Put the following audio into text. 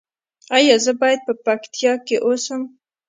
ایا زه باید په پکتیا کې اوسم؟